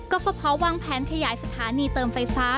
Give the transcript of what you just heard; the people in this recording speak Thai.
ก็พอวางแผนขยายสถานีเติมไฟฟ้า